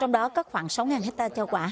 trong đó có khoảng sáu hectare cho quả